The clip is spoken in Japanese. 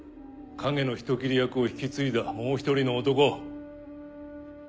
影の人斬り役を引き継いだもう１人の男。